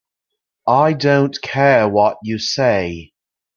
I don't care what you say.